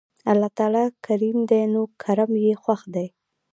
الله تعالی کريم دی نو کرَم ئي خوښ دی